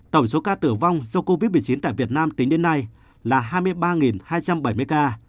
tổng số ca tử vong do covid một mươi chín tại việt nam tính đến nay là hai mươi ba hai trăm bảy mươi ca